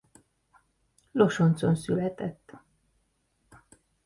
Losoncon született.